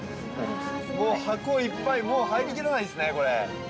もう箱いっぱい入り切らないですね。